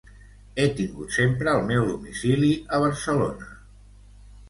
He tingut sempre el meu domicili a Barcelona.